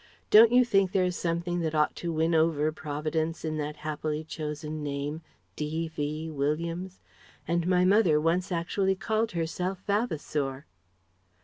Don't you think there is something that ought to win over Providence in that happily chosen name? D.V. Williams? And my mother once actually called herself 'Vavasour.'